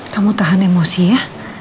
kamu tahan emosi ya